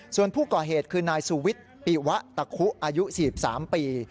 ส่วนผู้ก่อเหตุคือนายสุวิทย์ปิวะตะคุอายุ๔๓ปี